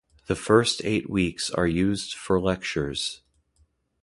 The first eight weeks are used for lectures.